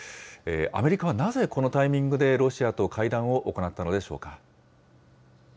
アメリカはなぜこのタイミングでロシアと会談を行ったのでしょう